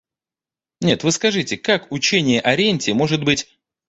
Нет, вы скажите, как учение о ренте может быть...